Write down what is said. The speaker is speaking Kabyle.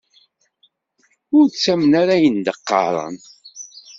Ur ttamen ara ayen i d-teqqar.